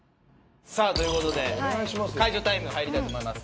さあということで解除タイム入りたいと思います。